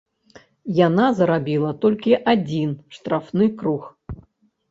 Яна зарабіла толькі адзін штрафны круг.